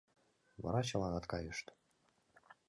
Вара чыланат кайышт.